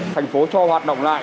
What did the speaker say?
thành phố cho hoạt động lại